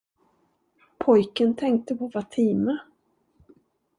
Pojken tänkte på Fatima.